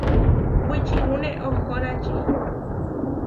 Wičirúne ohórači.